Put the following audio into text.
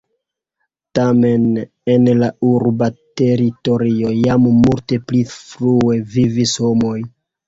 Tamen en la urba teritorio jam multe pli frue vivis homoj.